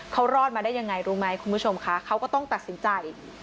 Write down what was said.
เขารอดมาได้ยังไงรู้ไหมคุณผู้ชมคะเขาก็ต้องตัดสินใจ